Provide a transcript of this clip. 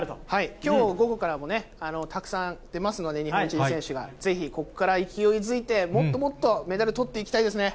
きょう午後からもね、たくさん出ますので、日本人選手が、ぜひここから勢いづいて、もっともっとメダルとっていきたいですね。